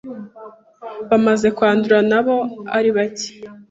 bamaze kwandura nabo ari bacye